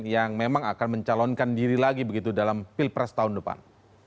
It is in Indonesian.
yang memang akan mencalonkan diri lagi begitu dalam pilpres tahun depan